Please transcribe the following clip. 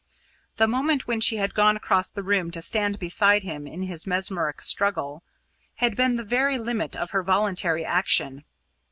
The moment when she had gone across the room to stand beside him in his mesmeric struggle, had been the very limit of her voluntary action.